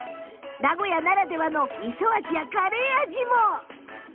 名古屋ならではのみそ味やカレー味も。